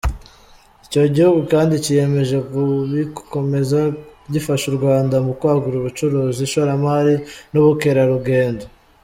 Icyo gihugu kandi kiyemeje kubikomeza, gifasha u Rwanda mu kwagura uburucuzi, ishoramari n’ubukerarugendo.